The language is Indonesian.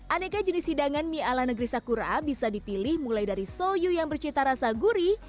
aneka jenis hidangan mie ala negeri sakura bisa dipilih mulai dari soyu yang bercita rasa gurih